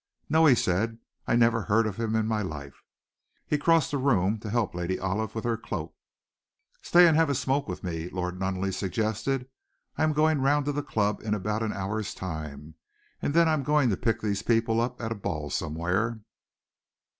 "No!" he said. "I never heard of him in my life." He crossed the room to help Lady Olive with her cloak. "Stay and have a smoke with me," Lord Nunneley suggested. "I am going round to the club in about an hour's time, and then I am going to pick these people up at a ball somewhere."